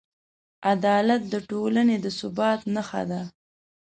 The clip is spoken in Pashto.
عدالت د ټولنې د ثبات نښه ده.